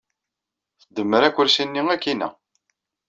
Tdemmer akersi-nni akkinna.